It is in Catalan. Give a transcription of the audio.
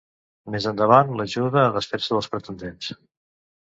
Més endavant l'ajuda a desfer-se dels pretendents.